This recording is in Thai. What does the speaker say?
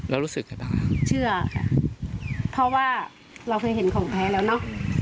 เรารู้สึกใช่บ้างครับเชื่อค่ะเพราะว่าเราก็เห็นของแล้วเนอะ